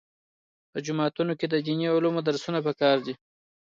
په جوماتونو کې د دیني علومو درسونه پکار دي.